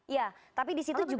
ya tapi disitu juga